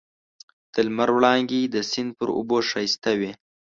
د لمر وړانګې د سیند پر اوبو ښایسته وې.